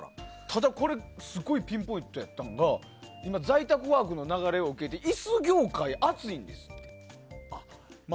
ただ、これすごいピンポイントやったのが今、在宅ワークの流れを受けて椅子業界が熱いんです。